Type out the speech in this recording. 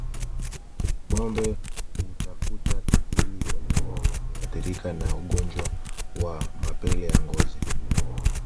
Ngombe hutafuta kivuli wakiwa wameathirika na ugonjwa wa mapele ya ngozi